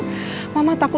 setelah tiga waktu